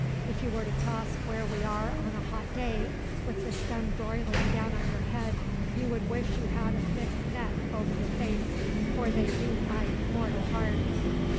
If you were to cross where we are on a hot day, with the sun broiling down on your head, you would wish you had a thick net over your face, for they do bite mortal hard!"